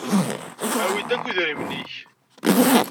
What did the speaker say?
Awi-d akk idrimen-ik!